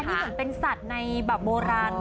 นี่เหมือนเป็นสัตว์ในแบบโบราณ